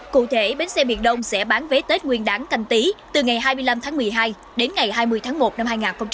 cụ thể bến xe miền đông sẽ bán vé tết nguyên đáng canh tí từ ngày hai mươi năm tháng một mươi hai đến ngày hai mươi tháng một năm hai nghìn hai mươi